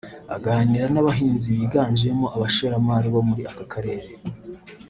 Aganira n’abahinzi biganjemo abashoramari bo muri aka Karere